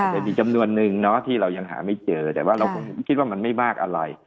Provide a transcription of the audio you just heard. แต่มีจำนวนนึงเนาะที่เรายังหาไม่เจอแต่ว่าเราก็คิดว่ามันไม่มากอะไร